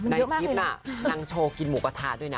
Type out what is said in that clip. ในคลิปน่ะนางโชว์กินหมูกระทะด้วยนะ